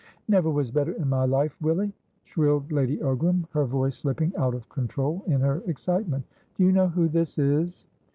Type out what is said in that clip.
"Never was better in my life, Willy!" shrilled Lady Ogram, her voice slipping out of control in her excitement. "Do you know who this is?"